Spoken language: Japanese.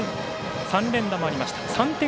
３連打もありました。